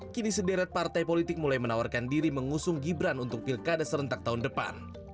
kini sederet partai politik mulai menawarkan diri mengusung gibran untuk pilkada serentak tahun depan